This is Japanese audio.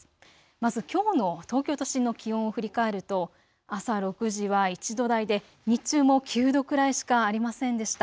まずきょうの東京都心の気温を振り返ると朝６時は１度台で日中も９度くらいしかありませんでした。